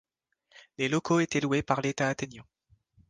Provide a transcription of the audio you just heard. Les locaux étaient loués par l’État athénien.